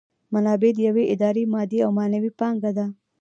منابع د یوې ادارې مادي او معنوي پانګه ده.